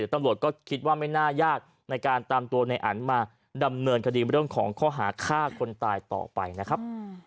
ตำรวจก็คิดว่าไม่น่ายากในการตามตัวในอันมาดำเนินคดีเรื่องของข้อหาฆ่าคนตายต่อไปนะครับ